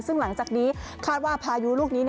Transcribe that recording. ซึ่งหลังจากนี้คาดว่าพายุลูกนี้